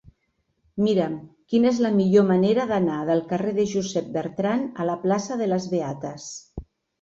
Mira'm quina és la millor manera d'anar del carrer de Josep Bertrand a la plaça de les Beates.